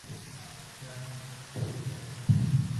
رښتیا هم ډېره ښکلې ښکارېده.